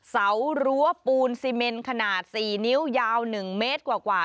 สารั้วปูนซีเมนขนาด๔นิ้วยาว๑เมตรกว่า